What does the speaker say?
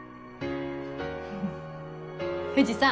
藤さん。